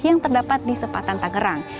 yang terdapat di sekitar bandara